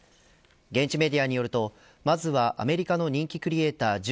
現地メディアによるとまずはアメリカの人気クリエイター